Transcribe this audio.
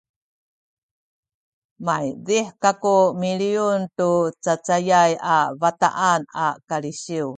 maydih kaku miliyun tu cacayay a bataan a kalisiw